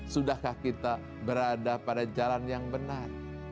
sudahkah kita berada pada jalan yang benar